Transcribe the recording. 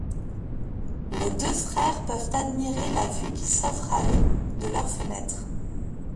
Les deux frères peuvent admirer la vue qui s'offre à eux de leurs fenêtres.